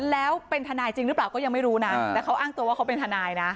แล้วเป็นทนายจริงหรือเปล่าก็ยังไม่รู้นะแต่เขาอ้างตัวว่าเขาเป็นทนายนะ